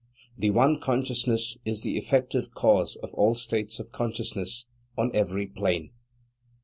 The one Consciousness is the effective cause of all states of consciousness, on every plane.